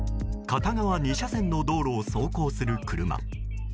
片側２車線の道路を走行する車。